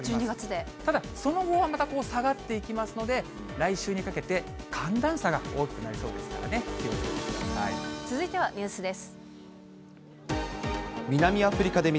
ただ、その後はまた下がっていきますので、来週にかけて、寒暖差が大きくなりそうですから続いてはニュースです。